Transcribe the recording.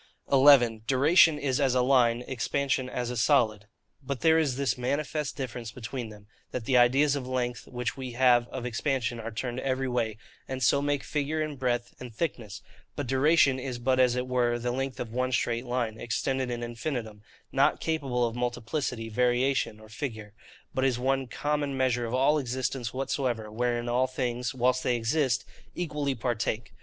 11. Duration is as a Line, Expansion as a Solid. But there is this manifest difference between them,—That the ideas of length which we have of expansion are turned every way, and so make figure, and breadth, and thickness; but duration is but as it were the length of one straight line, extended in infinitum, not capable of multiplicity, variation, or figure; but is one common measure of all existence whatsoever, wherein all things, whilst they exist, equally partake.